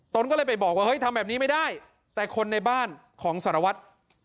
ตนก็เลยไปบอกว่าเฮ้ยทำแบบนี้ไม่ได้แต่คนในบ้านของสารวัตร